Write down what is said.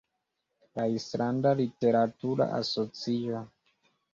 La Islanda literatura asocio.